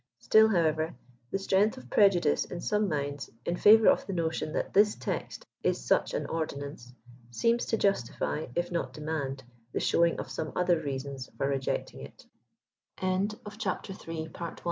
Still, however, the strength of preju * dice in some minds ill favor of the notion that this text is such an ordinance, seems to justify, if not demand, the showing of some othe)r reasons for rejecting it.